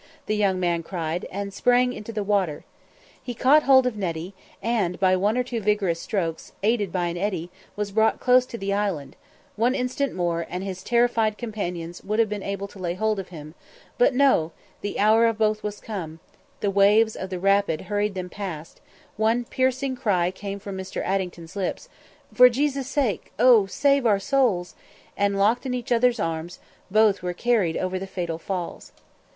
the young man cried, and sprang into the water. He caught hold of Nettie, and, by one or two vigorous strokes, aided by an eddy, was brought close to the Island; one instant more, and his terrified companions would have been able to lay hold of him; but no the hour of both was come; the waves of the rapid hurried them past; one piercing cry came from Mr. Addington's lips, "For Jesus' sake, O save our souls!" and, locked in each other's arms, both were carried over the fatal Falls.